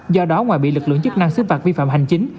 do đó ngoài bị lực lượng chức năng xứt vạt vi phạm hành chính